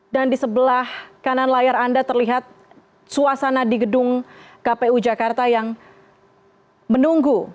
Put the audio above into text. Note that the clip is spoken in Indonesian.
dan di sebelah kanan layar anda terlihat suasana di gedung kpu jakarta yang menunggu